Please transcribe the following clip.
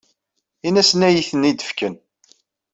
Ini-asen ad iyi-ten-id-fken.